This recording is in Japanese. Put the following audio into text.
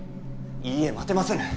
いいえ待てませぬ！